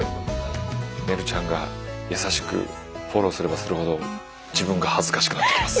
ねるちゃんが優しくフォローすればするほど自分が恥ずかしくなってきます。